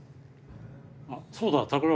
あそうだ拓郎。